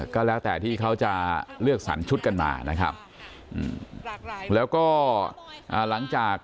ก็แล้วแต่ที่เขาจะเลือกสัญชุดด้านหลังต่อมา